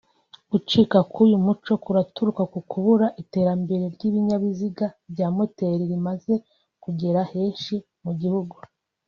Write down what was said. Gucika k’ uyu muco kuraturuka kukuba iterambere ry’ ibinyabiziga bya moteli rimaze kugera henshi mu gihugu